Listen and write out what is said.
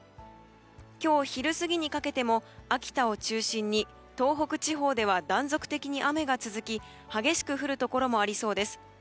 今日昼過ぎにかけても秋田を中心に東北地方では断続的に雨が続き激しく降るところもありそうです。